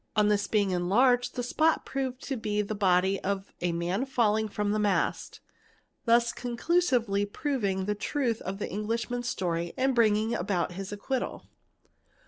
On this being enlarged the spot proved to be the ~ body of a man falling from the mast, thus conclusively proving the truth of the Knglishman's story and bringing about his acquittal.